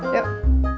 eh salam dulu